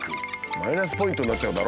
マイナスポイントになっちゃうだろ。